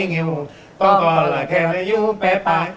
งิ้วต้องต่อละแค่นยูแป๊บปาย